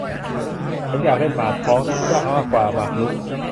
ฉันอยากเล่นหมากฮอสมากกว่าหมากรุก